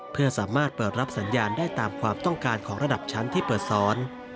เพื่อสามารถเปิดรับสัญญาณได้ตามความต้องการของระดับชั้นที่เปิดสอน